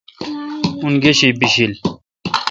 او°گیش بِشیل۔